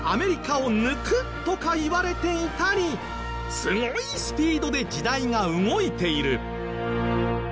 すごいスピードで時代が動いている。